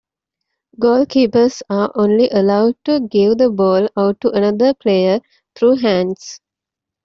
Goalkeepers are only allowed to give the ball out to another player through hands.